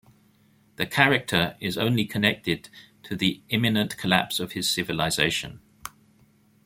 The character is only connected to the imminent collapse of his civilization.